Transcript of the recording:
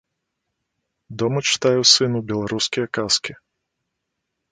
Дома чытаю сыну беларускія казкі.